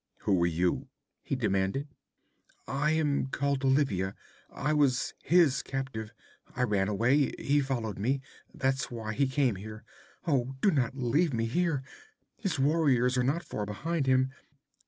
'Who are you?' he demanded. 'I am called Olivia. I was his captive. I ran away. He followed me. That's why he came here. Oh, do not leave me here! His warriors are not far behind him.